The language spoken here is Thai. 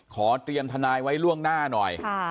ขอเตรียมทนายไว้ล่วงหน้าหน่อย